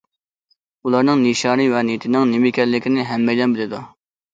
ئۇلارنىڭ نىشانى ۋە نىيىتىنىڭ نېمە ئىكەنلىكىنى ھەممەيلەن بىلىدۇ.